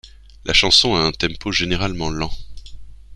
La chanson a un tempo généralement lent.